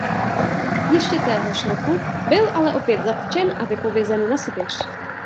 Ještě téhož roku byl ale opět zatčen a vypovězen na Sibiř.